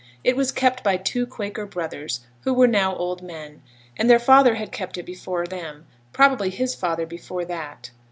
It was kept by two Quaker brothers, who were now old men; and their father had kept it before them; probably his father before that.